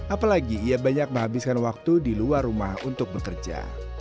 apalagi ia banyak menghabiskan waktu di luar rumah untuk bekerja